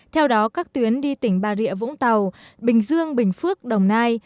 theo đó các tuyến đi tỉnh bà rịa vũng tàu bình dương bình phước đồng nai